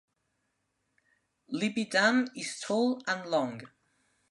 Libby Dam is tall and long.